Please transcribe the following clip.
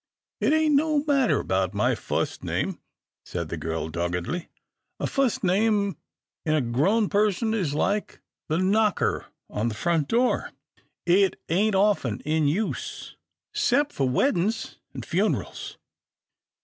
" It ain't no matter about my fust name," said the girl, doggedly. " A fust name in a grown person is like the knocker on the front door. It ain't often in use, 'cept for weddin's and funerals."